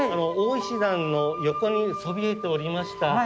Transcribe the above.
大石段の横にそびえておりました